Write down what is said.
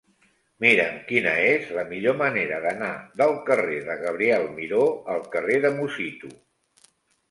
Mira'm quina és la millor manera d'anar del carrer de Gabriel Miró al carrer de Musitu.